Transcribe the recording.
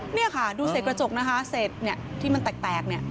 นี่ค่ะดูเศษกระจกนะคะเศษที่มันแตกเนี่ย